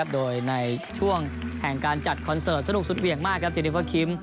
โดยในช่วงแห่งการจัดคอนเสิร์ตสนุกสุดเหวี่ยงมากครับเจนิเวอร์คิม